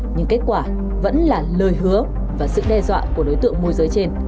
nhưng kết quả vẫn là lời hứa và sự đe dọa của đối tượng môi giới trên